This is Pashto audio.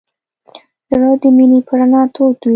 زړه د مینې په رڼا تود وي.